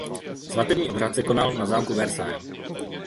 Svatební obřad se konal na zámku Versailles.